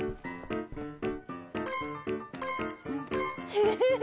フフフ！